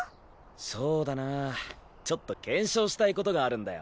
そうだなぁちょっと検証したいことがあるんだよ。